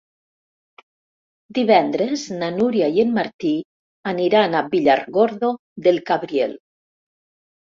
Divendres na Núria i en Martí aniran a Villargordo del Cabriel.